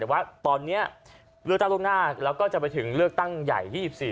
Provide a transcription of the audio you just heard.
แต่ว่าตอนนี้เลือกตั้งล่วงหน้าแล้วก็จะไปถึงเลือกตั้งใหญ่๒๔